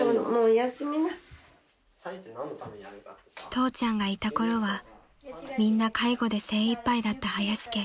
［父ちゃんがいたころはみんな介護で精いっぱいだった林家］